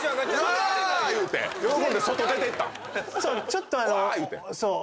ちょっとあのそう。